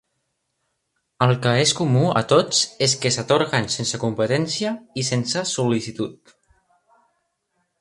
El que és comú a tots és que s'atorguen sense competència i sense sol·licitud.